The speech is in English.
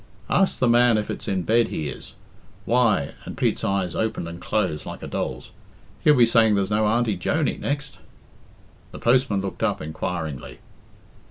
"Ask the man if it's in bed he is. Why," and Pete's eyes opened and closed like a doll's, "he'll be saying there's no Auntie Joney next." The postman looked up inquiringly.